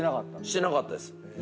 してなかったです。